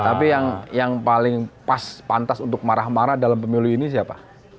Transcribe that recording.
tapi yang paling pas pantas untuk marah marah dalam pemilu ini siapa